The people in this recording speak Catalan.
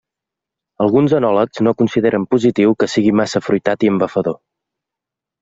Alguns enòlegs no consideren positiu que sigui massa afruitat i embafador.